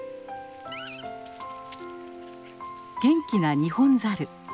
元気なニホンザル。